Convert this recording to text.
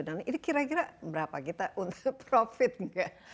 dan ini kira kira berapa kita untuk profit nggak